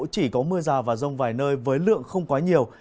chỉ có mưa rào và rông vài nơi với lượng không quá nhiều